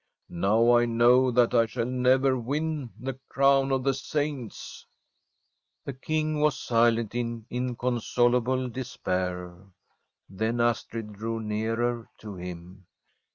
Now I know that I shall never win the crown of the Saints.' The King was silent in inconsolable despair ; then Astrid drew nearer to him.